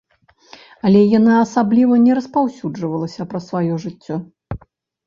Але яна асабліва не распаўсюджвалася пра сваё жыццё.